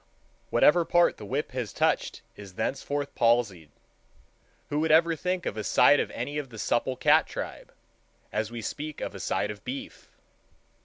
Whatever part the whip has touched is thenceforth palsied. Who would ever think of a side of any of the supple cat tribe, as we speak of a side of beef?